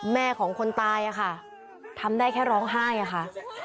แม่ของคนตายอะค่ะทำได้แค่ร้องไห้อะค่ะ